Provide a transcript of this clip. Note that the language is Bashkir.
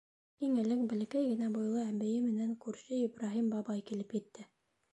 Иң элек бәләкәй генә буйлы әбейе менән күрше Ибраһим бабай килеп етте.